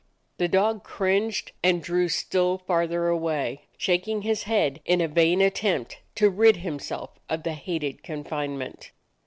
The dog cringed and drew still farther away, shaking his head in a vain attempt to rid himself of the hated confinement.